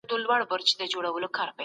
هر انسان د خپل مال مالک دی.